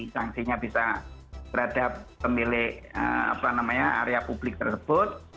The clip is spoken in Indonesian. sanksinya bisa terhadap pemilik area publik tersebut